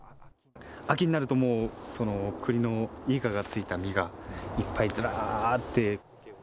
秋になるともう、くりのイガが付いた実がいっぱい、ずらーって。